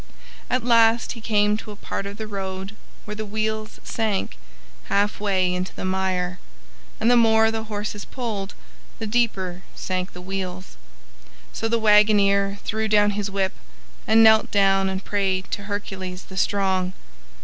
At last he came to a part of the road where the wheels sank halfway into the mire, and the more the horses pulled, the deeper sank the wheels. So the Wagoner threw down his whip, and knelt down and prayed to Hercules the Strong.